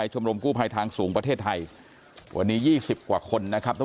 ชมรมกู้ภัยทางสูงประเทศไทยวันนี้๒๐กว่าคนนะครับ